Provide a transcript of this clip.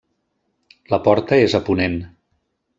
La porta és a ponent.